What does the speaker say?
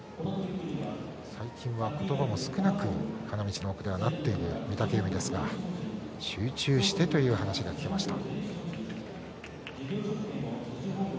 最近は、言葉も少なく花道の奥ではなっている御嶽海ですが集中してという話が聞けました。